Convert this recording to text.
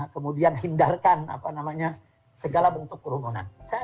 kemudian hindarkan segala bentuk kerumunan